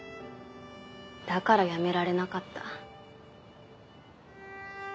だから辞められなかった。